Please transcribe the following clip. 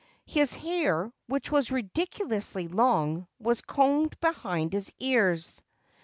His hair, which was ridiculously long, was combed behind his ears.